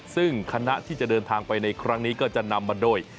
ซึ่งคณะที่จะเดินทางไปในครั้งนี้ก็จะนำมาโดย